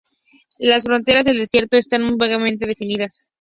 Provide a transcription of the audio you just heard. Las fronteras del desierto están muy vagamente definidas.